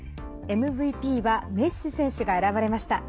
ＭＶＰはメッシ選手が選ばれました。